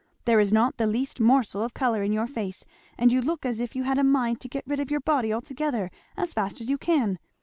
There is not the least morsel of colour in your face, and you look as if you had a mind to get rid of your body altogether as fast as you can!